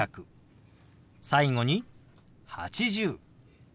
最後に「８０」。